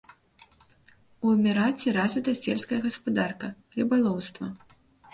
У эміраце развіта сельская гаспадарка, рыбалоўства.